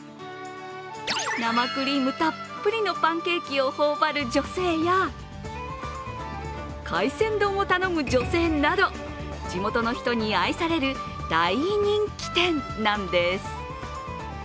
生クリームたっぷりのパンケーキを頬張る女性や海鮮丼を頼む女性など地元の人に愛される大人気見せなんです。